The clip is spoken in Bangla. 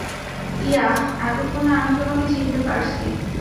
ইয়াহ, এতক্ষণে আমি তোমাকে চিনতে পারছি।